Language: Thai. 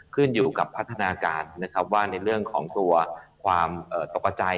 ขึ้นอยู่กับพัฒนาการว่าในเรื่องของตัวความตกใจ